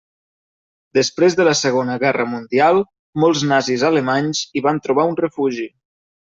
Després de la Segona Guerra Mundial molts nazis alemanys hi van trobar un refugi.